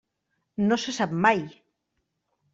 No se sap mai.